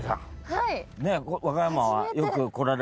はい。